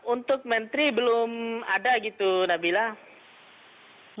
untuk menteri belum ada gitu nabila